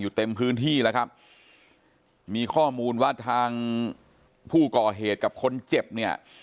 เต็มพื้นที่แล้วครับมีข้อมูลว่าทางผู้ก่อเหตุกับคนเจ็บเนี่ย